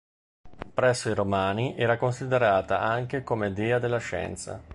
Presso i Romani era considerata anche come dea della scienza.